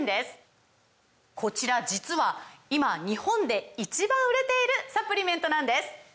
こちら実は今日本で１番売れているサプリメントなんです！